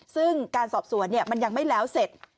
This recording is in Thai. ซึ่งการสอบสวนมันยังไม่แล้วเสร็จ